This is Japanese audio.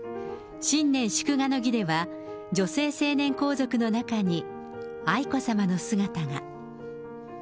新年祝賀の儀では、女性成年皇族の中に愛子さまの姿が。